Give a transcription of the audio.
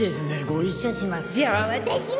ご一緒します。